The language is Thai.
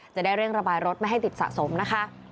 จะได้เร่งระบายรถไม่ให้ติดสะสมนะคะ